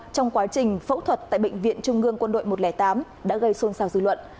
trong quá trình phẫu thuật tại bệnh viện trung ương quân đội một trăm linh tám đã gây xôn xào dư luận